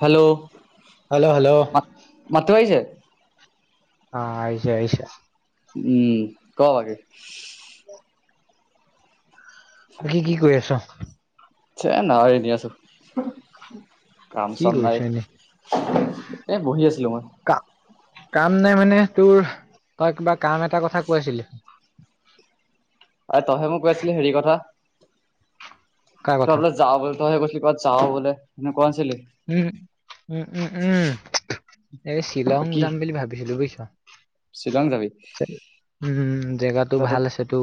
Hello hello hello অ মাত মাতটো আহিছে? অ আহিছে আহিছে। উম ক বাকী কি কি কৰি আছ? চে নহয় এনে আছো। কাম কি চাম নাই, কৰিছ এনেই এই বহি আছিলোঁ মই। কাম কাম নাই মানে তোৰ, তই কিবা কাম এটাৰ কথা কৈ আছিলি। আৰে তইহে মোক কৈ আছিলি হেৰি কথা। কাৰ ত কথা বোলে যাৱ বোলে তইহেই কৈছিল ক'ত যাৱ বোলে। কোৱা নাছিলি উম উম উম উম এই শ্বিলং কি যাম বুলি ভাবিছিলো বুজিছ। শ্বিলং যাবি উম জেগাটো তই তোক ভাল আছেটো।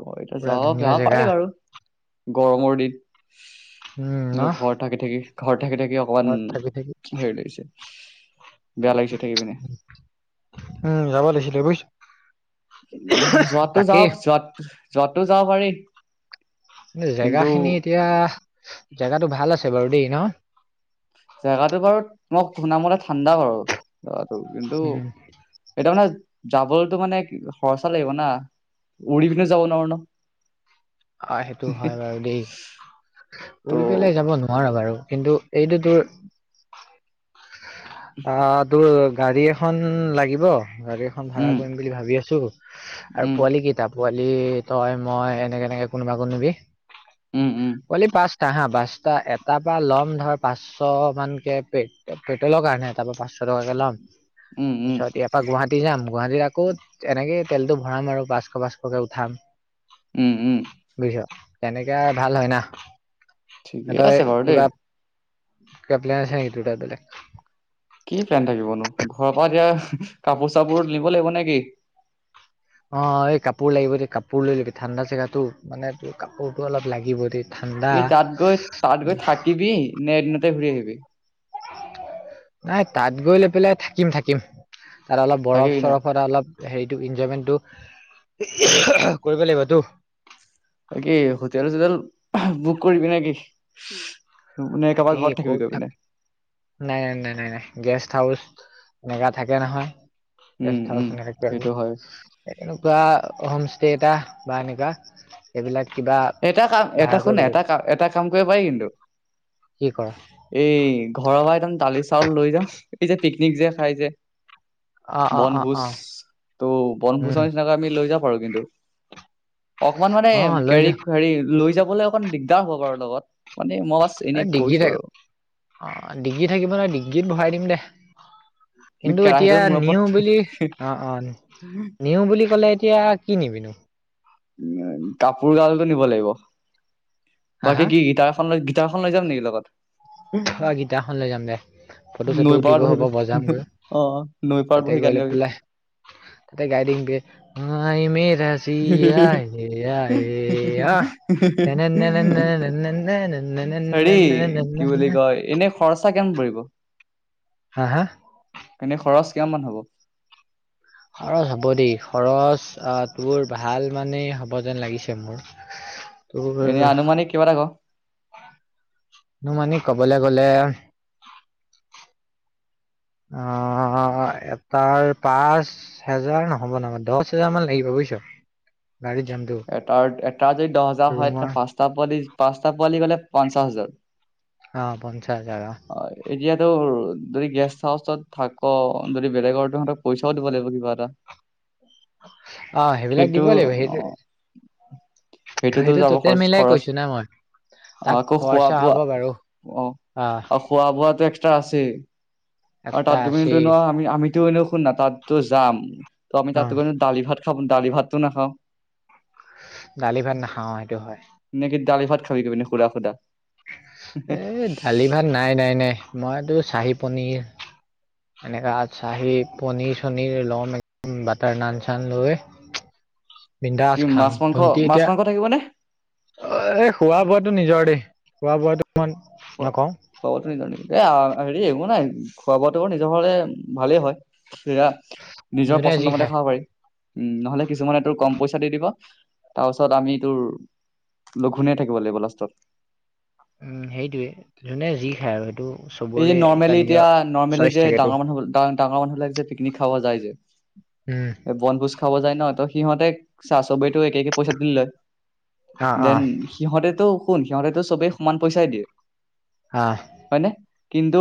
ক এতিয়া পুৰা যাব, ধুনীয়া যাব জেগা পাৰি বাৰু গৰমৰ দিন উম ন কি ঘৰ থাকি থাকি ঘৰত থাকি থাকি অকমান ঘৰত থাকি থাকি হেৰি লাগিছে। বেয়া লাগিছে থাকিপিনে। উম যাব লাগিছিলে বুজিছ। উম, যোৱাতটো তাকেই যাৱক, যোৱা- যোৱাতটো যাব পাৰি। জেগা কিন্তু খিনি এতিয়া, জেগাটো ভাল আছে বাৰু দেই ন? জেগাতো বাৰু তোমাক শুনামতে ঠাণ্ডা বাৰু। কিন্তু, উম এটা মানে যাবলৈতো মানে খৰচা লাগিব না, উৰি পিনে যাব নোৱাৰো ন। অ' সেইটো হয় বাৰু দেই, ত' উৰি পেলাই যাব নোৱাৰো বাৰু। কিন্তু, এইটো টু অ' তোৰ গাড়ী এখন লাগিব গাড়ী এখন ভাড়া উম কৰিম বুলি ভাবি আছো আৰু উম পোৱালি কিতাপ পোৱালি তই মই এনেকে - এনেকে কোনোবা- কোনবি উম উম। চা হা বাচটা এটাৰ পৰা ল'ম ধৰ পাঁচশ মানকে প [inaudible] পেট্ৰলৰ কাৰণে তাৰ পৰা পাঁচশ টকাকে ল'ম। উম উম তাৰপিছত ইয়াৰ পৰা গুৱাহাটী যাম গুৱাহাটীত আকৌ এনেকেই তেলটো ভৰাম আৰু পাঁচশ- পাঁচশকে উঠাম। উম উম। বুজিছ তেনেকে ভাল হয় না। ঠিকেই আছে বাৰু দেই। পল চাইহিতো ত তলে [unintelligible] [inaudible] কি প্লেন থাকিবনো ঘৰৰ পৰা এতিয়া কাপোৰ- চাপোৰ নিব লাগিব নেকি? অ' এই কাপোৰ লাগিব দেই, কাপোৰ লৈ লবি ঠাণ্ডা জেগাতো মানে তোৰ কাপোৰতটো অলপ লাগিব দেই। ঠাণ্ডা তু- তাত গৈ তাত গৈ থাকিবি নে এদিনতে ঘূৰি আহিবি? নাই তাত গৈ লৈ পেলাই থাকিম- থাকিম। তাত অলপ বৰফ থাকিবি - ন চৰফতে অলপ হেৰিতটো এনজয়মেন্টটো [unintelligible] কৰিব লাগিবতো কি হোটেল চোটেল বুক কৰিবি নাকি থাকি কত থাক নাই নাই নাই নাই নাই গেছ হাউচ এনেকা থাকে নহয় উম গেষ্ট হাউচ উম এনেকা কিবাকিবি সেইটো হয় বা হোম ষ্টে এটা বা এনেকুৱা এইবিলাক কিবা এটা কাম এটা ভাড়া শুন কৰিব লাগিব এটা কাম এটা কাম কৰিব পাৰি কিন্তু কি কৰ এই ঘৰ বাইদান দালি চাউল লৈ যাওঁ এই যে পিকনিক যে খাই যে অ অ অ বনভোজ অ তো উম বনভোজৰ নিচিনাকে আমি লৈ যাম [unintelligible] কি অকমান মানে অ লৈ যা [unintelligible] হেৰি লৈ যাবলৈ অকমান দিগদাৰ হ'ব বাৰু লগত মানে মই বাছ এনেই ডিগ্ৰী কৈছো থাক আৰু অ ডিগ্ৰী থাকিব নয় ডিগ্ৰীত ভৰাই দিম দেহ আমি কিন্তু কেৰাহীটোৰ এতিয়া মূৰ ওপৰত নিউ বুলি অ অ উম, নিউ বুলি ক'লে এতিয়া কি নিবিনো উ কাপোৰ গালটো নিব লাগিব হা বাকী হা কি গিটাৰখনত গিতাৰখন লৈ যাম নেকি লগত থ গীটাৰখন লৈ যাম দে ফটো চটো নৈ উঠিব পাৰত বাহি হ'ব পছ বজামগৈ অ নৈ পাৰত তাতে বহি গান গৈলে গাবি পেলাই তাতে গাই দিংমগে আই মে চি আ এয়া এয়াহ তেনে নে নে নে নেৰে নেন্নে হেৰি নেন্নে কি নেন্নে বুলি নে কয় এনে খৰচা কেনে পৰিব? হা হা এনে খৰচ? কিমানমান হ'ব? খৰচ হ'ব দেই খৰচ আহ, তোৰ ভাল মানে হ'ব যেন লাগিছে মোৰ। এনে তোৰ আনুমানিক কিবা এটা ক [unintelligible] ক'বলে গ'লে অ', এটাৰ পাঁচ হেজাৰ নহ'ব নহয়, দশ হেজাৰ মান লাগিব বুজিছ। [unintelligible] এটাৰ এটা যদি দহ হাজাৰ হয় ৰুমৰ তেনে পাঁচটা পোৱালি পাঁচটা পোৱালি গলে পঞ্চাছ হাজাৰ অঁ, পঞ্চা যাবা। ত যদি গেষ্ট হাউচত থাক যদি বেলেগৰ তহঁতক পইচাও দিব লাগিব কিবা এটা। অ সেইবিলাক সেইটো দিব লাগিব অ সেইটো। সেইটোতো সেইটো যাব টোটেল খৰচ মিলাই খৰচ কৈছো না মই তাত আকৌ খোৱা খৰচা বোৱা। হ'ব বাৰু অ আহ আৰু খোৱা বোৱাটো এক্সট্ৰা আছেই আৰু একটা তাত গই আশী পিনে ন' আমি আমি [unintelligible] শুন না তাতটো যাম, ত' আমি অ তাত গৈ দালি ভাত খাব দালি ভাতটো নাখাওঁ। দালি ভাত নাখাওঁ সেইটো হয়। [unintelligible] খুৰা খুদা এ দালি ভাত নাই নাই নাই, মইতো চাহি পনীৰ এনেকা চাহি পনীৰ চনীৰ লম একদম বাটাৰ নান চান লৈ বিন্দাছ কি খাম মাছ মাংস তহনতি মাছ এতিয়া, মাংস থাকিব নে খোৱা বোৱাটো নিজৰ দেই। খোৱা বো [unintelligible] দে আৰু হেই একো নাই, খোৱা বোৱাটো বাৰু নিজৰ ঘৰলে ভালেই হয়। সেয়া নিজৰ যোনে যি পচন্দমতে খায় খাব পাৰি উম, নহ'লে কিছুমানে তোৰ কম পইচা দি দিব তাৰপাছত আমি তোৰ লঘোণে থাকিব লাগিব লাষ্টত। উম, সেইটোয়ে যোনে যি খায় আৰু সেইটো এই যে চবৰে এটা নৰ্মেলি নিজৰ এতিয়া নৰ্মেলি চইচ যে থাকেতো ডাঙৰ মানুহ, ডাঙৰ মানুহ বিলাক যে পিকনিক খাব যায় উম যে বনভোজ খাব যায় ন' ত' সিহঁতে, চাহ চবেটো একে একে পইচা দি লয় অ অ দেন সিহঁতেটো শুন, সিহঁতেটো চবেই সমান পইচাই দি হা। কিন্তু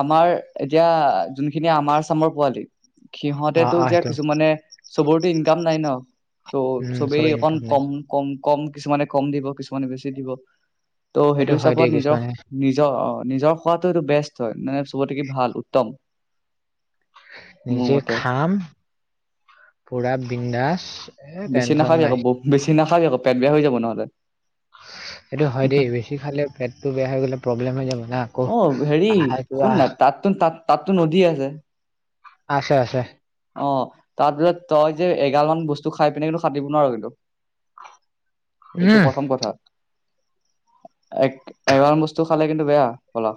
আমাৰ এতিয়া যোনখিনি আমাৰ চামৰ পোৱালি অ সিহঁতেটো অ এতিয়া সেইটো কিছু মানে চবৰেতো ইনকাম নাই ন'। ত' উম, চব চবেই অকণ ইনকাম নাই কম কম কম কিছুমানে কম দিব, কিছুমানে বেছি দিব। ত' সেইটো হয় দেই হিচাপত নিজৰ কিছুমানে নিজৰ অ, নিজৰ খোৱাতটো এইটো বেষ্ট হয় মানে চবতে কি ভাল উত্তম। মোৰ নিজে মতে খাম, পুৰা বিন্দাছ। বেছি নাখাবি আকৌ ব-বেছি নাখাবি আকৌ, পেট বেয়া হৈ যাব নহ'লে। সেইটো হয় দেই বেছি খালে পেটটো বেয়া হৈ গ'লে প্ৰব্লেম হৈ যাব। না আকৌ অ', হেৰি আহাৰটো শুন আহ না তাততো তাত-তাততো নদী আছে। আছে আছে। অ', তাৰপিছত তই যে এগালমান বস্তু খাই পিনে কিন্তু খাটিব নোৱাৰ কিন্তু। এইটো উম প্ৰথম কথা। এগ-এগাল বস্তু খালে কিন্তু বেয়া বলা।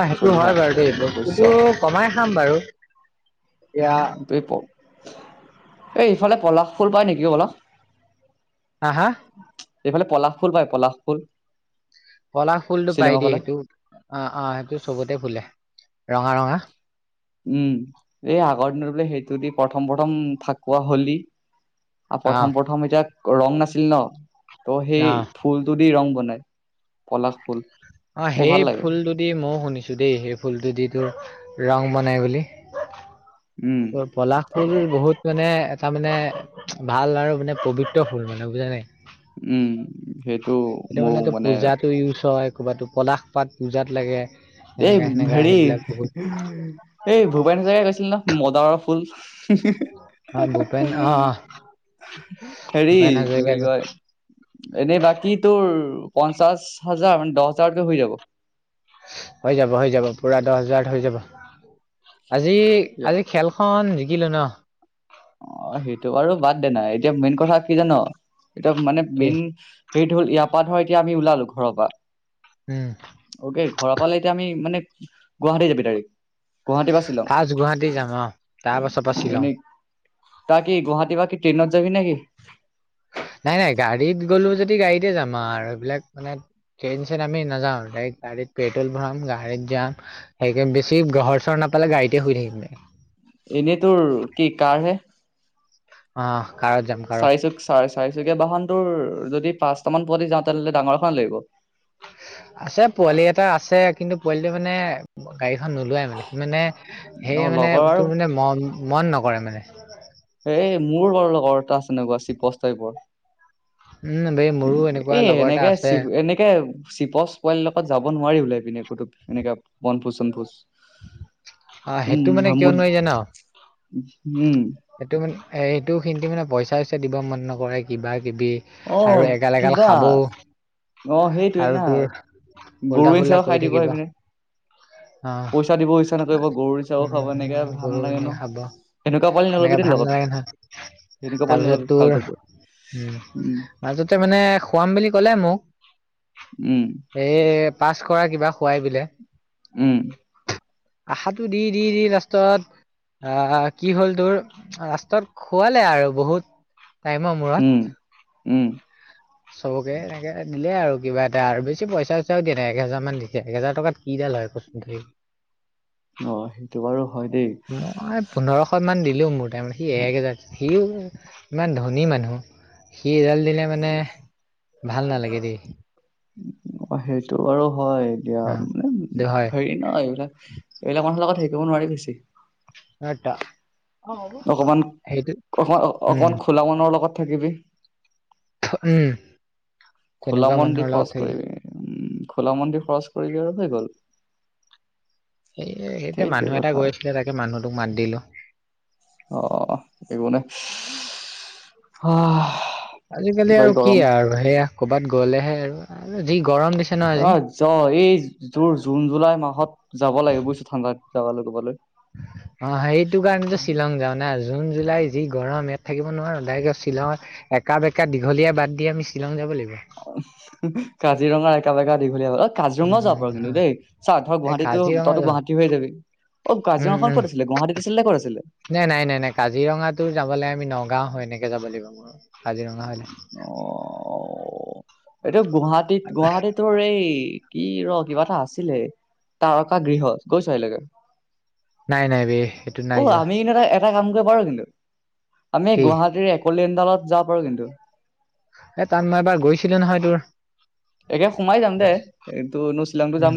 অ', সেইটো হয় বাৰু দেই, বস্তুটো কমাই খাম বাৰু। এতিয়া প [unintelligible] এই ইফালে পলাশ ফুল পাই নেকি বলা? হা হা? এইফালে পলাশ ফুল পায়, পলাশ ফুল? পলাশ ফুলটো পাই শ্বিলঙৰ দেই, ফালে সেইটো অ', অ', সেইটো চবতে ফুলে। ৰঙা ৰঙা। উম এই আগৰ বোলে সেইটো দি প্ৰথম প্ৰথম ফাকোৱা হলি অ প্ৰথম প্ৰথম এতিয়া ৰং নাছিল ন', ত' অ সেই ফুলটো দি ৰং বনাই নায় পলাশ ফুল। অঁ মোৰ সেই ভাল লাগে ফুলটোদি মইও শুনিছো দেই সেই ফুলটোদি তো ৰং বনাই বুলি, উম ত পলাশ ফুল বহুত মানে তাৰ মানে ভাল আৰু মানে পবিত্ৰ ফুল মানে বুজা নাই। উম, সেইটো এতিয়া মোৰ মানেটো মানে পূজাতটো ইউজ হয়, ক'বাতো পলাশ পাত পূজাত লাগে এ, সেনেকা সেনেকা হেৰি সেইবিলাক বহুত এই ভূপেন হাজৰিকাই কৈছিল ন' [unintelligible] ফুল অ ভূপেন অ [unintelligible] হেৰি ভূপেন কি হাজৰিকা বুলি কয়, এনেই বাকী তোৰ পঞ্চাশ হাজাৰ মানে দহ হাজাৰকে হৈ যাব? হৈ যাব হৈ যাব পুৰা দহ হাজাৰ হৈ যাব। আজি, এতিয়া আজি খেলখন জিকিলো ন? অ' সেইটো বাৰু বাদ দে না, এতিয়া মেইন কথা কি জান এতিয়া মানে কি মেইন সেইটো হ'ল ইয়াৰ পৰা ধৰ এতিয়া আমি ওলালো ঘৰৰ পা উম অ'কে ঘৰ পালে এতিয়া আমি মানে গুৱাহাটী যাবি দাৰেক গুৱাহাটী বা শিলং ফাৰ্ষ্ট গুৱাহাটী যাম অ তাৰ পাছৰ পৰা শ্বিলং এনেই, তইকি গুৱাহাটী বা কি ট্ৰেইনত যাবি নেকি? নাই নাই গাড়ী গাড়ীত গ'লো যদি গাড়ীতে যা আৰু এইবিলাক ট্ৰেইন চেৰেইন আমি নাযাওঁ। গাড়ীত যাম সেইকে বেছি ঘৰ চৰ নাপালে গাড়ীতে শুই থাকিম দে। এনেই তোৰ কি কাৰ হে- অ কাৰত যাম কাৰত চাৰিচুক চ চাৰিচুকীয়া বাহনটোৰ যদি পাঁচটামান পোৱালি যাওঁ তেনেহ'লে ডাঙৰ এখন লাগিব। আছে পোৱালি এটা আছে কিন্তু পোৱালিটো মানে গাড়ীখন নোলোৱাই মানে সি মানে সেই অ মানে লগৰ আৰু তোৰ মানে ম মন নকৰে মানে এ মোৰ ঘৰৰ লগৰ এটা আছে এনেকুৱা চিপছ টাইপৰ উম বে মোৰো এনেকুৱা এ লগৰ এটা এনেকে আছে চি এনেকে চিপচ পোৱালিৰ লগত যাব নোৱাৰি ওলাই পিনে কত এনেকা বনফোজ চনফোজ। অ সেইটো মানে কিয় নোৱাৰি জানা? উম সেইটো মানে এ সেইটো কিন্তু মানে পইচা চইচা দিব মন নকৰে কিবা কিবি - - কিবি অ আৰু এগাল এগাল কিবা খাব। অ সেইটোয়ে ৱে না গৰু উল্টা এ ফুল্টা চ কৰি খাই দিব থাকিব সি পিনে। আহ পইচা দিব ইচ্ছা নকৰিব গৰু চাহও খাব এনেকে উম ভাল গৰু নালাগে এনেকে ন? খাব সেনেকুৱা পোৱালি এনেকে নল'বি দেই ভাল লগত নালাগে নহয় সেনেকুৱা পালি তাৰপিছত নল'বি তোৰ ভালটো ব উম মাজতে মানে খুৱাম বুলি ক'লে মোক উম এ পাছ কৰা কিবা খোৱাই বলে উম আশাটো দি দি দি লাষ্টত আহ কি হ'ল তোৰ ৰাষ্টাত খুৱালে আৰু বহুত টাইমৰ উম মোৰত উম চবকে এনেকে দিলে আৰু কিবা এটা আৰু বেছি পইচা চইচাও দিয়া নাই এক হেজাৰ মান দিছে এক হেজাৰ টকাত কি দাল হয় ক চোন তই, অ সেইটো বাৰু হয় দেই মই পোন্ধৰশ মান দিম দিলেওঁ মোৰ টাইমত সি একহাজাৰ দিছে সিও ইমান ধনী মানুহ সি এজাল দিলে মানে ভাল নালাগে দেই অ সেইটো আৰু হয় এতিয়া অ মানে দে হয় হেৰি ন এইবিলাক এইবিলাক মানুহ লগত শিকিব নোৱাৰি বেছি। [unintelligible] অকমান, সেইটো উম অক-অকমান খোলা মানুহৰ লগত থাকিবি। ফ- উম খোলা তেনেকুৱা মন দি মানুহৰ লগত খৰচ থাকিলে কৰিবি। উম, খোলা মন দি খৰচ কৰিবি আৰু হৈ গ'ল। সেই-সেইটোৱে সেইটোৱে মানুহ এটা কথা গৈ আছিলে তাকে মানুহটোক মাত দিলো। অ এইবোনে অ আজিকালি আৰু কি আৰু সেয়া কৰ'বাত গ'লেহে আৰু [unintelligible] ন আজি অ য এই যোৰ জুন জুলাই মাহত যাব লাগে বুইছ ঠাণ্ডাত যাবালে কবালৈ অ সেইটো কাৰণেটো শ্বিলং যাও না জুন জুলাই যি গৰম ইয়াত থাকিব নোৱাৰো ডাইৰেক্ট আও শ্বিলঙত একা বেকা দীঘলীয়া বাদ দি আমি শ্বিলং যাব লাগিব কাজিৰঙা একা বেকা দীঘলীয়া হলত উম কাজিৰঙাও যাব উম পাৰ হা। কিন্তু দেই, চা ধৰ এই গুৱাহাটীতো, কাজিৰঙা তইতো যাম গুৱাহাটী হৈ যাবি অ', উম কাজিৰঙাখন উম কত আছিলে? গুৱাহাটীত আছিলে নে কত আছিলে? নাই নাই নাই নাই, কাজিৰঙাটো যাবলৈ আমি নগাঁও হয় নেকি যাব লাগিব মোৰ, কাজিৰঙা হলে। অ'। এইটো গুৱাহাটীত গুৱাহাটীত তোৰ এই কি ৰ', কিবা এটা আছে ছিলে, তাৰকা গৃহ, গৈছ আজিলৈকে? নাই নাই বে এইটোত নাই অ', যোৱা আমি [unintelligible] এটা কাম [unintelligible] কিন্তু, আমি কি গুৱাহাটীৰ একলাণ্ডত যাব পাৰো কিন্তু। এ তাত মই এবাৰ গৈছিলো নহয় তোৰ একে সোমাই যাম দে, এইটো উম,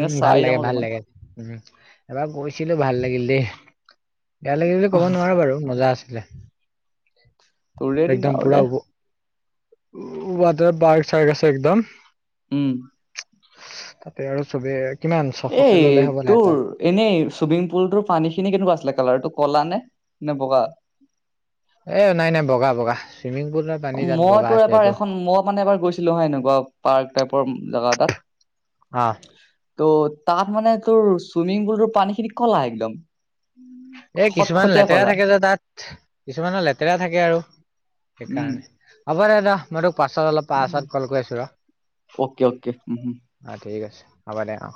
উম, ভাল চাই যাম লাগে, ভাল অলপমান লাগে। উ, এবাৰ গৈছিলো ভাল লাগিল দে বেয়া লাগে বুলি ক'ব নোৱাৰো বাৰু মজা আছিলে। তোৰে দিন একদম আৰু পুৰা দে। ৱাটাৰ পাৰ্ক চাৰ্ক আছে একদম। উম। তাতে আৰু চবে কিমান ছশকে এই ললে হ'ব নাই তাৰ তোৰ এনেই চুইমিং পুলটোৰ পানী খিনি কেনেকুৱা আছিলে, কালাৰতোক কলা নে, নে বগা? এ নাই নাই, বগা বগা। চুইমিং পুলৰ পানী তাত বগা মইতো আছে এবাৰ এইটো এখন মই মানে এবাৰ গৈছিলো হা এনেকুৱা পাৰ্ক টাইপৰ জোগা এটাত [inaudible] ত' তাত মানে তোৰ চুইমিং পুলটোৰ পানী খিনি কলা একদম। এ খট কিছুমান খটীয়া লেতেৰা ক'লা থাকে যে তাত, কিছুমানৰ লেতেৰা থাকে আৰু উম সেইকাৰণে, হব দে যাওঁ মই তোক পাছত অলপ পছত কল কৰি আছো ৰ', অকে অকে উম অ', ঠিক আছে। হব দে, অ'।